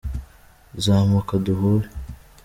Zamuka duhure.